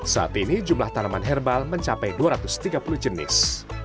saat ini jumlah tanaman herbal mencapai dua ratus tiga puluh jenis